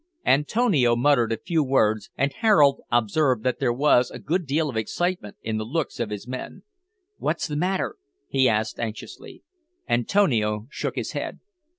Antonio muttered a few words, and Harold observed that there was a good deal of excitement in the looks of his men. "What's the matter?" he asked anxiously. Antonio shook his head.